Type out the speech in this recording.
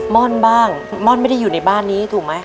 ่อนบ้างม่อนไม่ได้อยู่ในบ้านนี้ถูกไหม